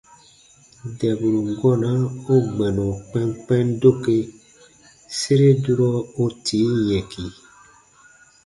Dɛburu gɔna u gbɛnɔ kpɛnkpɛn doke sere durɔ u tii yɛ̃ki.